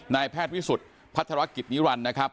นายแพทย์วิสุภัฒนาเกิดนี้วันนะครับ